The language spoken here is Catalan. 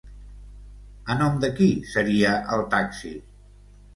A nom de qui seria el taxi?